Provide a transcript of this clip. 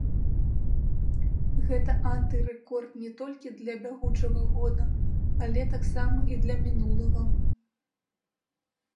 Гэта антырэкорд не толькі для бягучага года, але таксама і для мінулага.